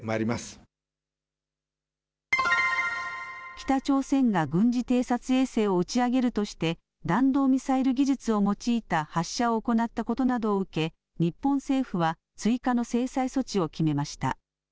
北朝鮮が軍事偵察衛星を打ち上げるとして弾道ミサイル技術を用いた発射を行ったことなどを受け、日本政府は追加の制裁措置を決めました。